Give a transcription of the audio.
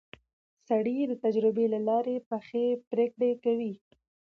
سړی د تجربې له لارې پخې پرېکړې کوي